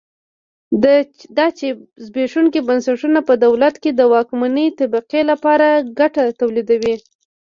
دا چې زبېښونکي بنسټونه په دولت کې د واکمنې طبقې لپاره ګټه تولیدوي.